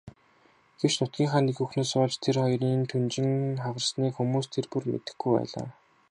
Гэвч нутгийнхаа нэг хүүхнээс болж тэр хоёрын түнжин хагарсныг хүмүүс тэр бүр мэдэхгүй байлаа.